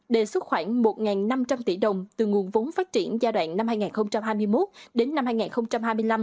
đề xuất khoảng một năm trăm linh tỷ đồng từ nguồn vốn phát triển giai đoạn năm hai nghìn hai mươi một đến năm hai nghìn hai mươi năm